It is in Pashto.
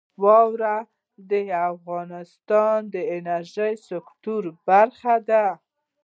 واوره د افغانستان د انرژۍ سکتور برخه ده.